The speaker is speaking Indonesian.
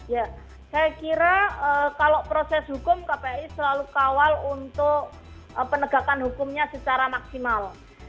ya saya kira kalau proses hukum kpi selalu kawal untuk penegakan hukumnya secara maksimal